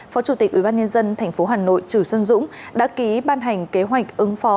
phó chủ tịch ubnd tp hà nội trừ xuân dũng đã ký ban hành kế hoạch ứng phó